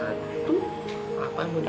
apa yang mau dia pakai sama dia